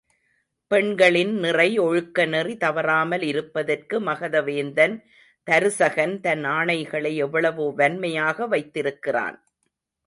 பெண்களின் நிறை ஒழுக்கநெறி தவறாமல் இருப்பதற்கு, மகத வேந்தன் தருசகன் தன் ஆணைகளை எவ்வளவோ வன்மையாக வைத்திருக்கிறான்.